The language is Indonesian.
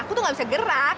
aku tuh nggak bisa gerak